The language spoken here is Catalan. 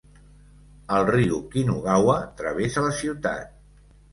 El riu Kinugawa travessa la ciutat.